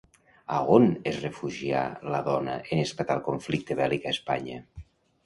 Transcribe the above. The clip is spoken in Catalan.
A on es refugià la dona en esclatar el conflicte bèl·lic a Espanya?